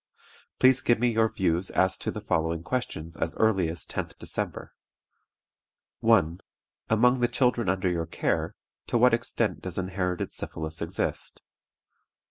Please give me your views as to the following questions as early as 10th December. "1. Among the children under your care, to what extent does inherited syphilis exist?